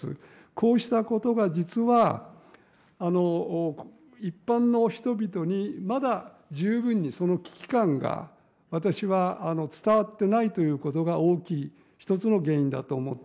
こうしたことが実は、一般の人々にまだ十分に、その危機感が私は伝わってないということが大きい一つの原因だと思って。